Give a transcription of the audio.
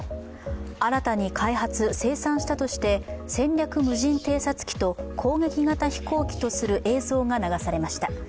新たに開発・生産したとして戦略無人偵察機と攻撃型飛行機とする映像が流されました。